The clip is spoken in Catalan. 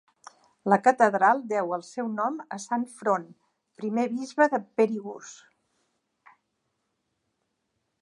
La catedral deu el seu nom a Sant Front, primer bisbe de Perigús.